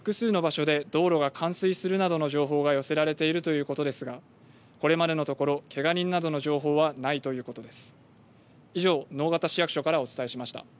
直方市役所の災害対策本部では市内の複数の場所で道路が冠水するなどの情報が寄せられているということですがこれまでのところけが人などの情報はないということです。